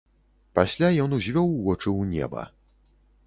Пасля ён узвёў вочы ў неба.